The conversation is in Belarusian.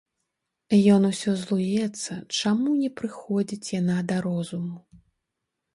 Ён усё злуецца, чаму не прыходзіць яна да розуму.